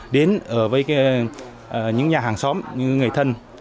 đến ở với những nhà hàng xóm như người thân